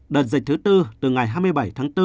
đợt dịch thứ tư từ ngày hai mươi bảy tháng bốn